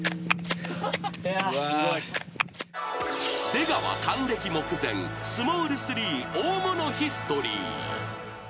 ［出川還暦目前スモール３大物ヒストリー］